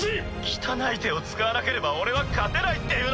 汚い手を使わなければ俺は勝てないっていうのか？